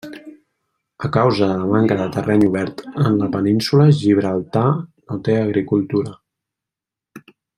A causa de la manca de terreny obert en la península, Gibraltar no té agricultura.